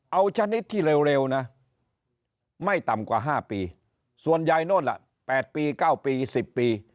เอาชนิดที่เร็วนะไม่ต่ำกว่า๕ปีส่วนใหญ่โน่นล่ะ๘ปี๙ปี๑๐ปี